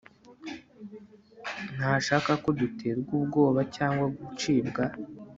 Ntashaka ko duterwa ubwoba cyangwa gucibwa